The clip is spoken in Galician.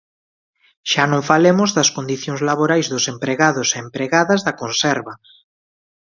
Xa non falemos das condicións laborais dos empregados e empregadas da conserva.